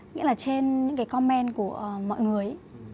nghĩa là trên những comment của mọi người